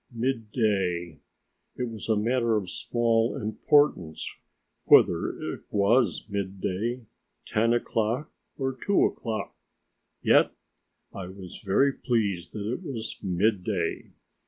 Midday! It was a matter of small importance whether it was midday, ten o'clock or two o'clock. Yet, I was very pleased that it was midday.